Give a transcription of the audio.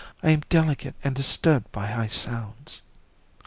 I am delicate and am disturbed by high sounds."